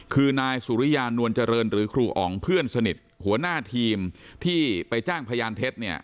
คือนายสุริยานวลเจริญหรือครูอ๋องเพื่อนสนิทหัวหน้าทีมที่ไปจ้างพยานเท็จเนี่ย